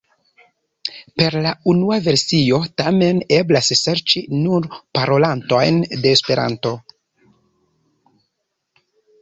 Per la unua versio tamen eblas serĉi nur parolantojn de Esperanto.